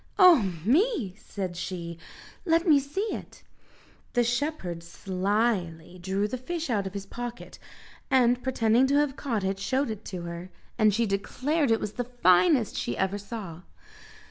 "Oh me!" said she, "let me see it." The shepherd slyly drew the fish out of his pocket and pretending to have caught it, showed it her, and she declared it was the finest she ever saw.